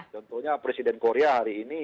contohnya presiden korea hari ini